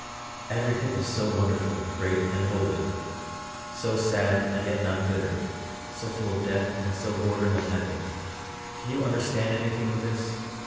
Everything is so wonderful, great and holy, so sad and yet not bitter, so full of Death and so bordering on Heaven. Can you understand anything of this?